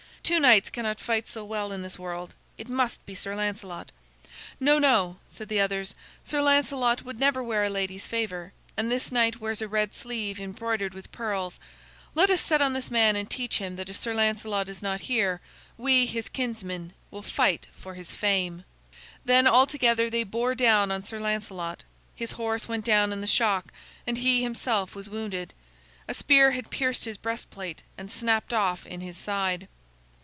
"Two knights cannot fight so well in this world. It must be Sir Lancelot." "No, no," said the others; "Sir Lancelot would never wear a lady's favor, and this knight wears a red sleeve embroidered with pearls. Let us set on this man and teach him that if Sir Lancelot is not here, we, his kinsmen, will fight for his fame." Then all together they bore down on Sir Lancelot. His horse went down in the shock, and he himself was wounded. A spear had pierced his breastplate and snapped off in his side.